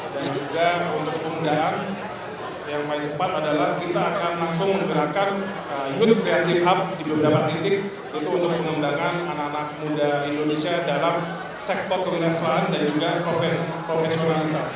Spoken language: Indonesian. dan juga untuk pembukaan yang paling cepat adalah kita akan langsung mengerakan youth creative hub di beberapa titik untuk mengembangkan anak anak muda indonesia dalam sektor kemahasalan dan juga profesionalitas